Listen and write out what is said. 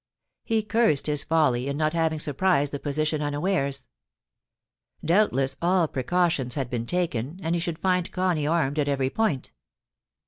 He cursed his folly in not having surprised the position unawares. Doubtless all precautions had been taken, and he should find Connie armed at every point.